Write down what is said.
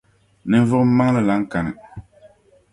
ninvuɣ’ maŋli lan kani.